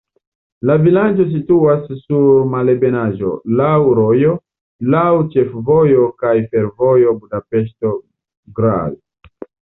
La vilaĝo situas sur malebenaĵo, laŭ rojo, laŭ ĉefvojo kaj fervojo Budapeŝto-Graz.